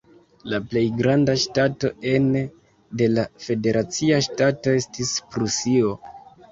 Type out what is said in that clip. La plej granda ŝtato ene de la federacia ŝtato estis Prusio.